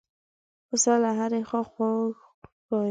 پسه له هرې خوا خوږ ښکاري.